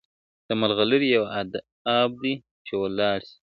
د ملغلري یو آب دی چي ولاړ سي ..